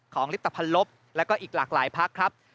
ของริปรับภัณฑ์ลบแล้วก็อีกหลากหลายพักครับ